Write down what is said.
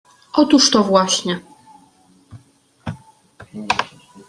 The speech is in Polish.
— Otóż to właśnie.